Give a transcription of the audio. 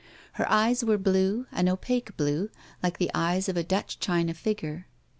Her eyes were blue, an opaque blue, like the eyes of a Dutch china figure.